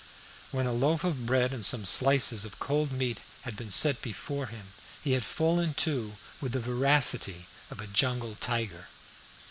When a loaf of bread and some slices of cold meat had been set before him, he had fallen to with the voracity of a jungle tiger.